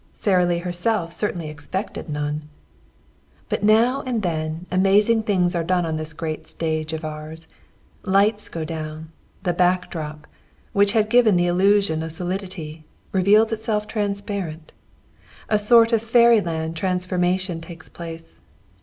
Sara Lee herself certainly expected none. But now and then amazing things are done on this great stage of ours: lights go down; the back drop, which had given the illusion of solidity, reveals itself transparent. A sort of fairyland transformation takes place.